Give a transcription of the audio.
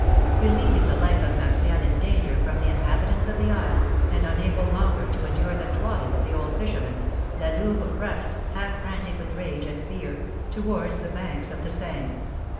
Believing the life of Martial in danger from the inhabitants of the isle, and unable longer to endure the twaddle of the old fisherman, La Louve rushed, half frantic with rage and fear, towards the banks of the Seine.